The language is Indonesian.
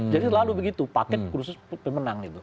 jadi selalu begitu paket plus kursi pemenang